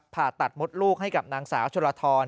ผ่าตัดมดลูกให้กับนางสาวชลทร